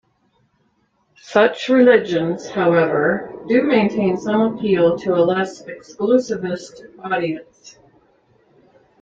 Such religions, however, do maintain some appeal to a less exclusivist audience.